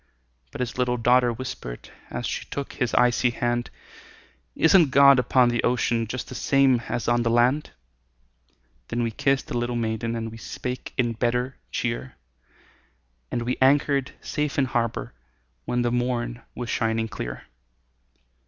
But his little daughter whispered, As she took his icy hand, "Isn't God upon the ocean, Just the same as on the land?" Then we kissed the little maiden, And we spake in better cheer, And we anchored safe in harbor When the morn was shining clear.